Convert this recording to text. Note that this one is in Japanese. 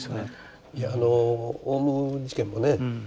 あのオウム事件もね